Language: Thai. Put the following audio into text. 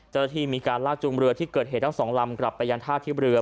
เจ้าหน้าที่มีการลากจูงเรือที่เกิดเหตุทั้งสองลำกลับไปยังท่าเทียบเรือ